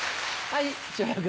はい。